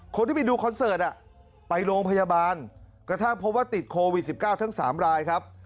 คนที่ไปดูคอนเสิร์ตไปโรงพยาบาลกระทั่งพบว่าติดโควิด๑๙ทั้ง๓รายครับ